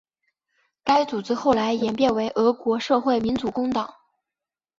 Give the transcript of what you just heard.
该组织后来演变为俄国社会民主工党。